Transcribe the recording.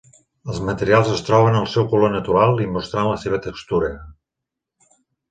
Els materials es troben en el seu color natural i mostrant la seva textura.